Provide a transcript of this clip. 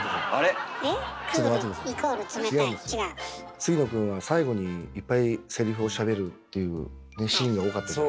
杉野くんは最後にいっぱいセリフをしゃべるっていうシーンが多かったじゃない。